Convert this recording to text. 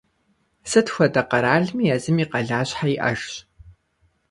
Сыт хуэдэ къэралми езым и къалащхьэ иӀэжщ.